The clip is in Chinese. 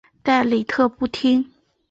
但李特不听。